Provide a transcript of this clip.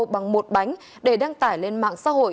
bằng một bánh để đăng tải lên mạng xã hội